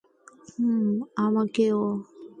হুম, আমাকেও।